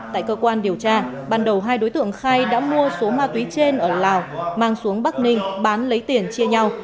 tại cơ quan điều tra ban đầu hai đối tượng khai đã mua số ma túy trên ở lào mang xuống bắc ninh bán lấy tiền chia nhau